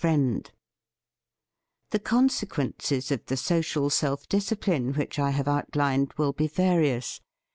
FRIEND THE consequences of the social self discipline which I have outlined will be various.